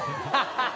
ハハハ！